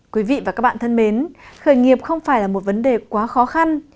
quý vị và các bạn thân mến khởi nghiệp không phải là một vấn đề quá khó khăn